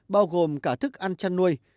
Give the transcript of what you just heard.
bao gồm cả thức ăn chăn nuôi